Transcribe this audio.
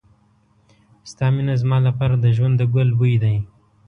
ستا مینه زما لپاره د ژوند د ګل بوی دی.